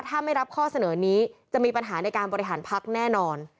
ถ้าไม่รับข้อเสนอนี้จะมีปัญหาในการบริหารพักแน่นอน